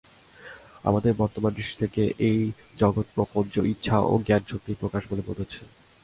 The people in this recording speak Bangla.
আমাদের বর্তমান দৃষ্টি থেকে এই জগৎপ্রপঞ্চ ইচ্ছা ও জ্ঞানশক্তির প্রকাশ বলে বোধ হচ্ছে।